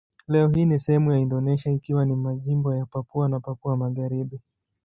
Leo hii ni sehemu ya Indonesia ikiwa ni majimbo ya Papua na Papua Magharibi.